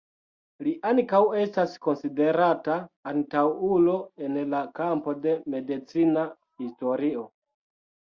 Li ankaŭ estas konsiderata antaŭulo en la kampo de medicina historio.